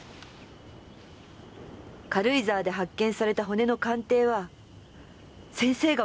軽井沢で発見された骨の鑑定は先生が行う事になる。